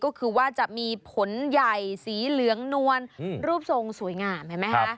ก็คือว่าจะมีผลใหญ่สีเหลืองนวลรูปทรงสวยงามเห็นไหมฮะ